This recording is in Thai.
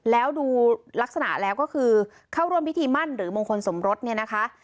แล้วดูลักษณะแล้วก็คือเข้าร่วมพิธีมั่นหรือมงคลสมรสเนี่ยนะคะ